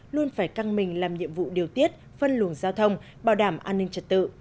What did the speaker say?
luôn phải căng mình làm nhiệm vụ điều tiết phân luồng giao thông bảo đảm an ninh trật tự